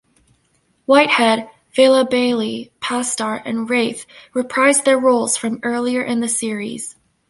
Whitehead, Vela-Bailey, Pasdar, and Wraith reprise their roles from earlier in the series.